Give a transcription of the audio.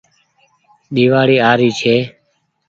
ۮيوآڙي آ ري ڇي